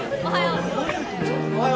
おはよう